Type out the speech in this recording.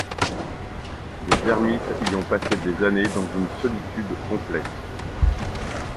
Des ermites y ont passé des années dans une solitude complète.